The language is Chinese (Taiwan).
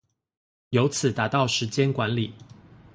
由此達到時間管理